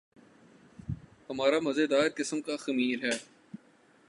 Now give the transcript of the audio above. ہمارا مزیدار قسم کا خمیر ہے۔